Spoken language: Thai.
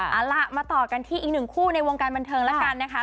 เอาล่ะมาต่อกันที่อีกหนึ่งคู่ในวงการบันเทิงแล้วกันนะคะ